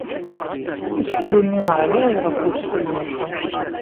Aseklu-nni ɛlay ɣef wesfel n wexxam.